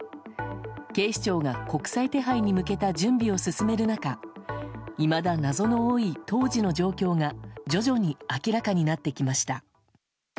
警視庁が国際手配に向けた準備を進める中いまだ謎の多い当時の状況が徐々に明らかになってきました。